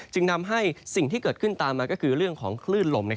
จึงทำให้สิ่งที่เกิดขึ้นตามมาก็คือเรื่องของคลื่นลม